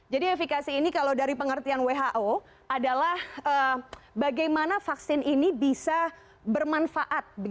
jadi efekasi ini kalau dari pengertian who adalah bagaimana vaksin ini bisa bermanfaat